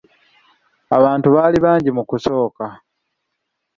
Abantu baali bangi mu kusooka.